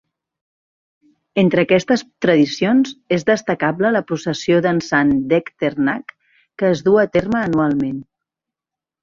Entre aquestes tradicions, és destacable la Processió dansant d'Echternach, que es duu a terme anualment.